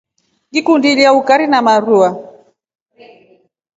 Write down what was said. Ngikundi ilya ukari wa maruva.